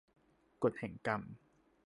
กฎแห่งกรรม